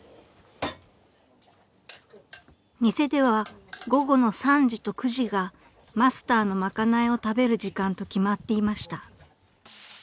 ［店では午後の３時と９時がマスターの賄いを食べる時間と決まっていました］